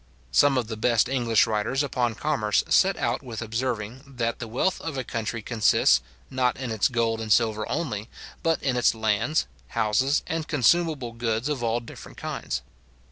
Some of the best English writers upon commerce set out with observing, that the wealth of a country consists, not in its gold and silver only, but in its lands, houses, and consumable goods of all different kinds.